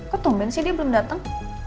kok tumben sih dia belum dateng